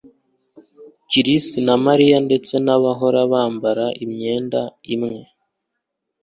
Chris na Mariya ndetse bahora bambara imyenda imwe